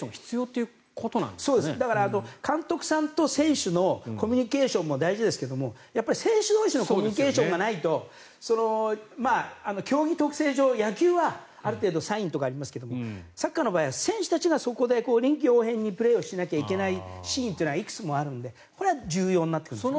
そうです監督さんと選手のコミュニケーションも大事ですけども選手同士のコミュニケーションがないと競技特性上野球はある程度サインとかありますけどサッカーの場合は選手たちがそこで臨機応変にプレーをしなきゃいけないシーンはいくつもあるので、これは重要になってくるんですね。